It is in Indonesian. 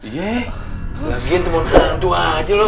iya lagi temen hantu aja lo